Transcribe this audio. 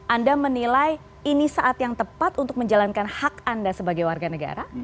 anda menilai ini saat yang tepat untuk menjalankan hak anda sebagai warga negara